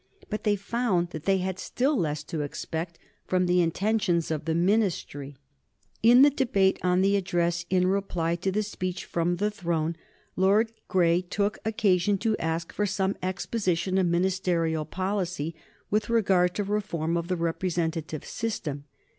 But they found that they had still less to expect from the intentions of the Ministry. [Sidenote: 1830 Wellington as a politician] In the debate on the address, in reply to the speech from the throne, Lord Grey took occasion to ask for some exposition of Ministerial policy with regard to reform of the representative system.